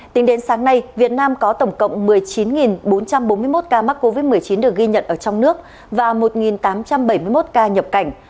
tính đến sáng nay việt nam có tổng cộng một mươi chín bốn trăm bốn mươi một ca mắc covid một mươi chín được ghi nhận ở trong nước và một tám trăm bảy mươi một ca nhập cảnh